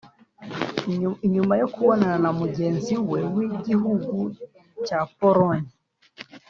Inyuma yo kubonana na mugenzi we w'igihugu ca Pologne